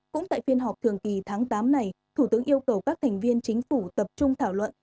cũng tại phiên họp thường kỳ tháng tám này thủ tướng yêu cầu các thành viên chính phủ tập trung thảo luận